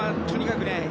とにかくね